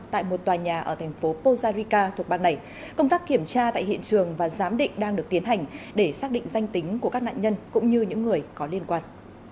tại một tòa nhà ở thành phố pozarica thuộc bang này công tác kiểm tra tại hiện trường và giám định đang được tiến hành để xác định danh tính của các nạn nhân cũng như những người có liên quan